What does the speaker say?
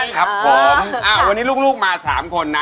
ครับผมวันนี้ลูกมา๓คนนะ